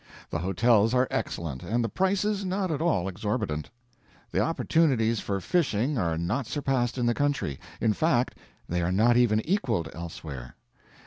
The hotels are excellent, and the prices not at all exorbitant. The opportunities for fishing are not surpassed in the country; in fact, they are not even equaled elsewhere.